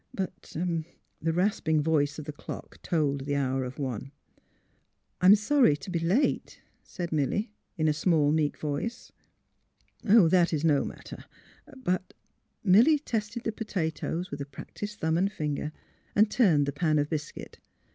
^' But ..." The rasping voice of the clock told the hour of one. *' I am sorry to be late, '' said Milly, in a small, meek voice. '' That is no matter. But ..." Milly tested the potatoes with a practised thumb and finger, and turned the pan of biscuit.